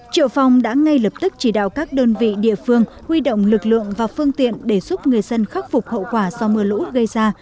triệu phong đã ngay lập tức chỉ đạo các đơn vị địa phương huy động lực lượng và phương tiện để giúp người dân khắc phục hậu quả do mưa lũ gây ra